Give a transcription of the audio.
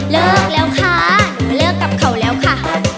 เลิกแล้วค่ะหนูเลิกกับเขาแล้วค่ะ